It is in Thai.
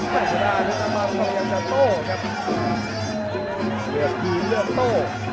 แล้วก็เบียดมาเพศรภาคมันยังจะโตครับเบียดดูเลือกโต